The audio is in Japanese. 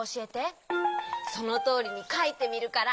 そのとおりにかいてみるから。